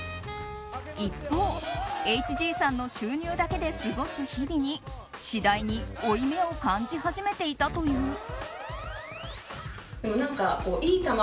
一方、ＨＧさんの収入だけで過ごす日々に次第に負い目を感じ始めていたという。